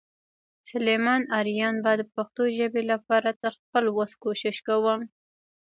سلیمان آرین به د پښتو ژبې لپاره تر خپل وس کوشش کوم.